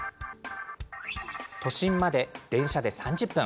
都心まで電車で３０分。